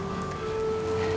alhamdulillah baik baik aja